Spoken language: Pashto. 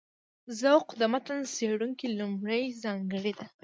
ذوق د متن څېړونکي لومړۍ ځانګړنه ده.